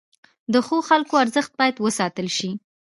د ښو خلکو ارزښت باید وساتل شي.